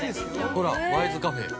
◆ほらワイズカフェ。